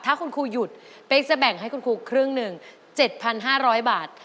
ถ้าคุณครูหยุดเป๊กจะแบ่งให้คุณครูครึ่งหนึ่ง๗๕๐๐บาท